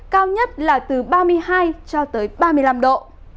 cao nhất là từ ba mươi hai cho tới ba mươi năm độ